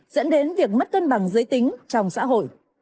dẫn đến việc mất cân bằng giới tính trong xã hội